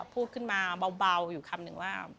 พูดขึ้นมาเบาอยู่คำหนึ่งว่า